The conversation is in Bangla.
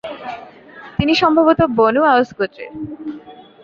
তিনি সম্ভবত বনু আওস গোত্রের।